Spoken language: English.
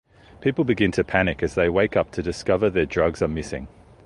People begin to panic as they wake up to discover their drugs are missing.